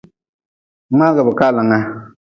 Mngagʼbekaalanga.